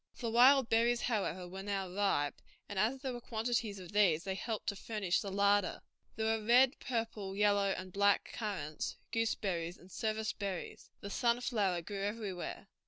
The wild berries, however, were now ripe, and as there were quantities of these they helped to furnish the larder. There were red, purple, yellow, and black currants, gooseberries, and service berries. The sunflower grew everywhere.